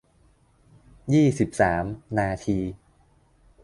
ยี่สิบสาม นาที